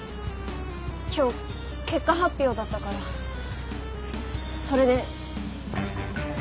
今日結果発表だったからそれで。